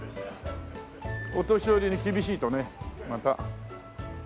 お年寄りに厳しいとねまた。